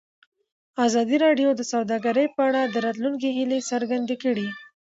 ازادي راډیو د سوداګري په اړه د راتلونکي هیلې څرګندې کړې.